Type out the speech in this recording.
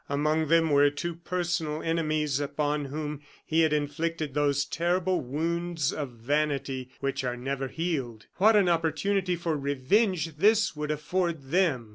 Among them were two personal enemies upon whom he had inflicted those terrible wounds of vanity which are never healed. What an opportunity for revenge this would afford them!